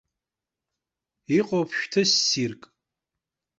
Иҟоуп шәҭы ссирк.